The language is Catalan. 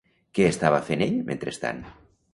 Què estava fent ell mentrestant?